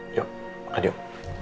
yuk makan yuk